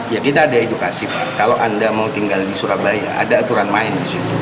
ya kita ada edukasi pak kalau anda mau tinggal di surabaya ada aturan main di situ